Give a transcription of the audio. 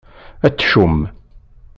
Atcum!